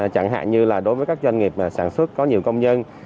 chẳng hạn như là đối với các doanh nghiệp sản xuất có nhiều công nhân